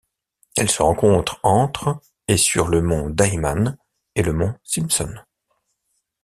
Elle se rencontre entre et sur le mont Dayman et le mont Simpson.